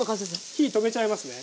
火止めちゃいますね。